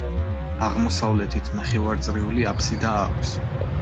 აღმოსავლეთით ნახევარწრიული აფსიდა აქვს.